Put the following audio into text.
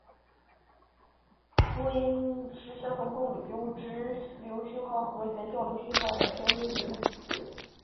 波形因数是相同功率的直流讯号和原交流讯号整流后平均值的比值。